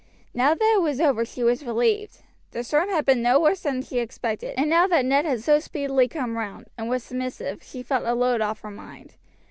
Now that it was over she was relieved. The storm had been no worse than she expected, and now that Ned had so speedily come round, and was submissive, she felt a load off her mind.